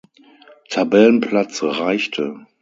Tabellenplatz reichte.